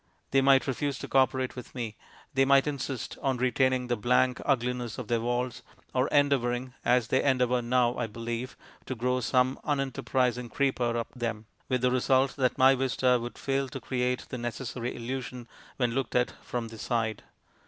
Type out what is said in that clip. They might refuse to co operate with me; they might insist on retaining the blank ugliness of theirs walls, or endeavouring (as they endeavour now, I believe) to grow some unenterprising creeper up them; with the result that my vista would fail to create the necessary illusion when looked at from the side.